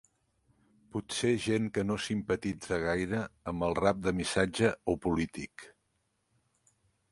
Potser gent que no simpatitza gaire amb el rap de missatge o polític.